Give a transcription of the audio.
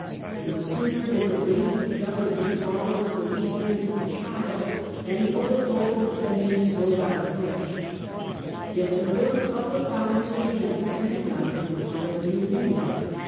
No 983 1002 ' sooner did the reins of government fall into the weak hands of a child than the old local dissensions broke out afresh. Yet the work of the founders of the Empire had not been entirely in vain.